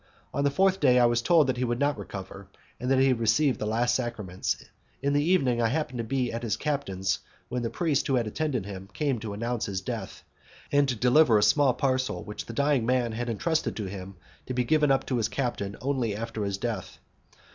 On the fourth day I was told that he would not recover, and that he had received the last sacraments; in the evening I happened to be at his captain's when the priest who had attended him came to announce his death, and to deliver a small parcel which the dying man had entrusted to him to be given up to his captain only after his death.